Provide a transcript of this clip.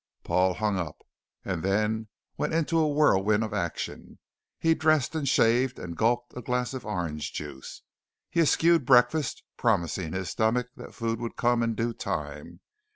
Paul hung up, and then went into a whirlwind of action. He dressed and shaved and gulped a glass of orange juice. He eschewed breakfast, promising his stomach that food would come in due time.